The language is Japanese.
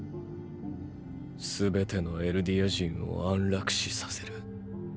すべてのエルディア人を安楽死させる。